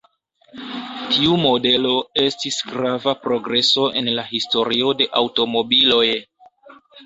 Tiu modelo estis grava progreso en la historio de aŭtomobiloj.